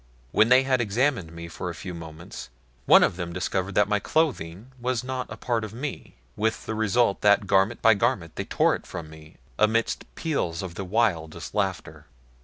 When they had examined me for a few moments one of them discovered that my clothing was not a part of me, with the result that garment by garment they tore it from me amidst peals of the wildest laughter.